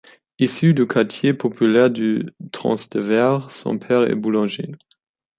Issu du quartier populaire du Transtévère, son père est boulanger.